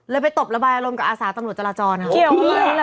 เลยไปตบระบายอารมณ์กับอาสาทตำนวจจรจรครับเกี่ยวกันหละ